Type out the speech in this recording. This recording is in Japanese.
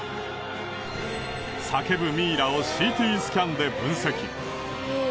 叫ぶミイラをＣＴスキャンで分析。